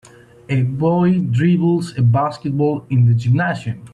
A boy dribbles a basketball in the gymnasium.